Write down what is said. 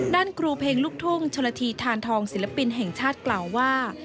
ครูเพลงลูกทุ่งชนละทีทานทองศิลปินแห่งชาติกล่าวว่า